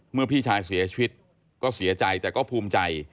พี่ชายเสียชีวิตก็เสียใจแต่ก็ภูมิใจ